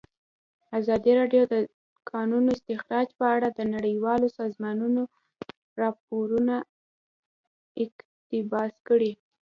ازادي راډیو د د کانونو استخراج په اړه د نړیوالو سازمانونو راپورونه اقتباس کړي.